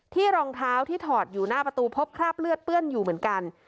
รองเท้าที่ถอดอยู่หน้าประตูพบคราบเลือดเปื้อนอยู่เหมือนกัน